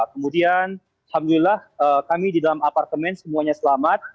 kemudian alhamdulillah kami di dalam apartemen semuanya selamat